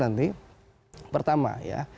nanti pertama ya